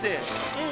うん。